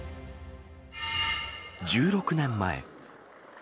１６年前。